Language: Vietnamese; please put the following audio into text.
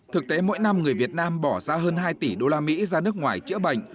thực tế mỗi năm người việt nam bỏ ra hơn hai tỷ usd ra nước ngoài chữa bệnh